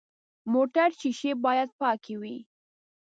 موټر شیشې باید پاکې وي.